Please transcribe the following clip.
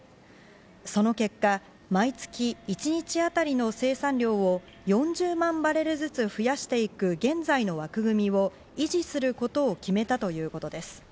その結果、毎月１日当たりの生産量を４０万バレルずつ増やしていく現在の枠組みを維持することを決めたということです。